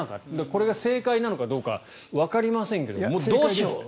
これが正解なのかどうかわかりませんけどどうしようと。